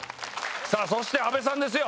そして阿部さんですよ。